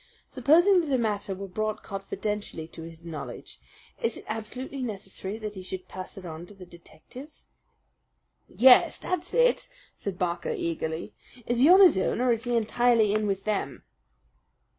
Supposing that a matter were brought confidentially to his knowledge, is it absolutely necessary that he should pass it on to the detectives?" "Yes, that's it," said Barker eagerly. "Is he on his own or is he entirely in with them?"